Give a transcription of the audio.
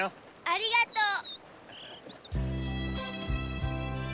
ありがとう。